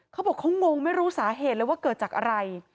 เขาบอกเขางงไม่รู้สาเหตุเลยว่าเกิดจากอะไร